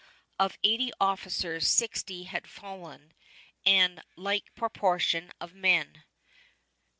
Of eighty officers, sixty had fallen and a like proportion of men.